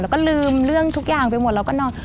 แล้วก็ลืมเรื่องทุกอย่างไปหมดเราก็นอน